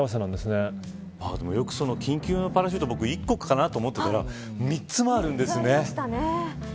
緊急のパラシュート１個かなと思ってたら３つもあるんですね。